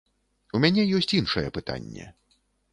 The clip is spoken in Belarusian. У мяне ёсць іншае пытанне.